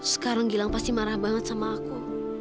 sekarang gilang pasti marah banget sama aku